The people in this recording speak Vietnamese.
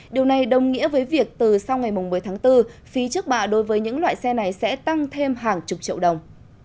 điều này đồng nghĩa với việc từ sau ngày một mươi tháng bốn phí trước bạ đối với những loại xe này sẽ tăng thêm hàng chục triệu đồng